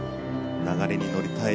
流れに乗りたい